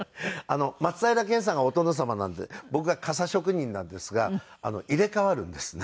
松平健さんがお殿様なんで僕が傘職人なんですが入れ替わるんですね。